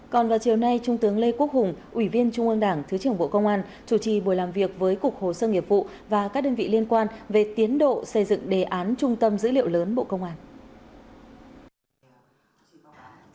còn vào chiều nay trung tướng lê quốc hùng ủy viên trung ương đảng thứ trưởng bộ công an chủ trì buổi làm việc với cục hồ sơ nghiệp vụ và các đơn vị liên quan về tiến độ xây dựng đề án trung tâm dữ liệu lớn bộ công an